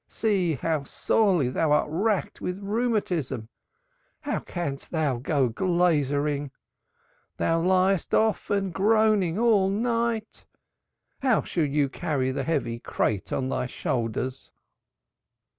See how sorely thou art racked with rheumatism. How canst thou go glaziering? Thou liest often groaning all the night. How shalt thou carry the heavy crate on thy shoulders?"